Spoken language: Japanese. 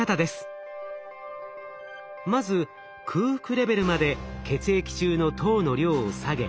まず空腹レベルまで血液中の糖の量を下げ